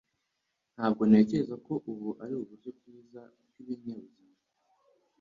Ntabwo ntekereza ko ubu ari uburyo bwiza bwibinyabuzima.